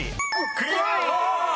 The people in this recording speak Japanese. ［クリア！］